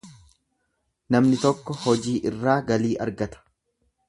Namni tokko hojii irraa galii argata.